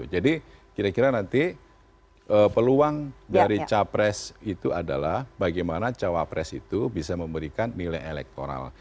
jadi kira kira nanti peluang dari capres itu adalah bagaimana cawapres itu bisa memberikan nilai elektoral